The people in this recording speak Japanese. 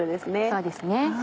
そうですね。